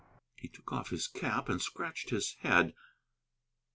"He took off his cap and scratched his head.